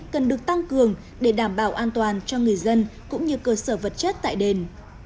cần được tăng cường để đảm bảo an toàn cho người dân cũng như cơ sở vật chất tại đền